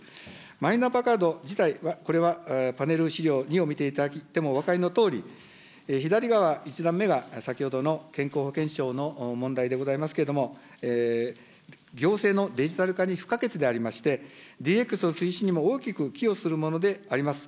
マイナンバーカード自体、これはパネル資料２を見ていただいてもお分かりのとおり、左側１段目が先ほどの健康保険証の問題でございますけれども、行政のデジタル化に不可欠でありまして、ＤＸの推進にも大きく寄与するものであります。